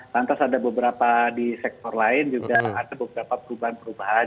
lantas ada beberapa di sektor lain juga ada beberapa perubahan perubahan